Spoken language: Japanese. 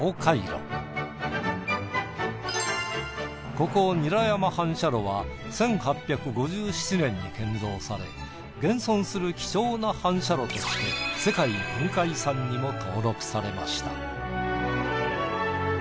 ここ韮山反射炉は１８５７年に建造され現存する貴重な反射炉として世界文化遺産にも登録されました。